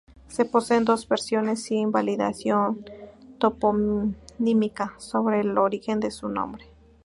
Se poseen dos versiones sin validación toponímica sobre el origen de su nombre.